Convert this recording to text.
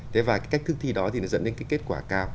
thế và cái cách thức thi đó thì nó dẫn đến cái kết quả cao